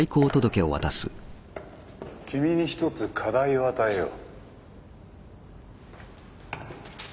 君に一つ課題を与えよう。